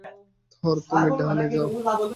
থর, তুমি ডানে যাও।